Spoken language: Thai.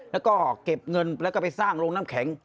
แล้วก็เก็บเงินแล้วก็ไปสร้างโรงน้ำแข็ง